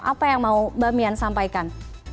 apa yang mau mbak mian sampaikan